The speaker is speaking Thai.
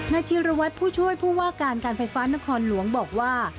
ธีรวัตรผู้ช่วยผู้ว่าการการไฟฟ้านครหลวงบอกว่า